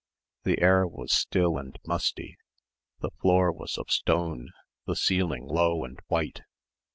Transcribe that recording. The air was still and musty the floor was of stone, the ceiling low and white.